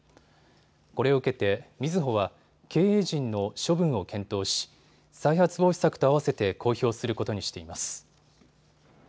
これを受けて、みずほは経営陣の処分を検討し、再発防止策とあわせて公表することにしています。